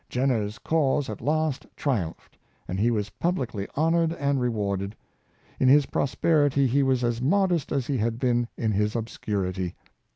Jenner's cause at last triumphed, and he was publicly honored and rewarded. In his prosperity he was as modest as he had been in his obscurity.